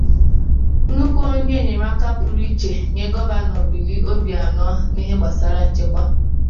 nnukwu onye enyemaka pụrụ iche nye Gọvanọ Willie Obianọ n'ihe gbasaara nchekwa